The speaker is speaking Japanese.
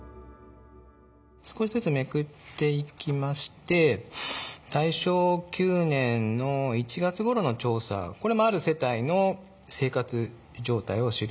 少しずつめくっていきまして大正９年の１月ごろの調査これもある世帯の生活状態を記した。